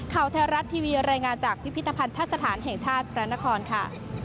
ข่าวไทยรัฐทีวีรายงานจากพิพิธภัณฑ์ทัศน์แห่งชาติแปลนคล